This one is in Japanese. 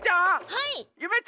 はい！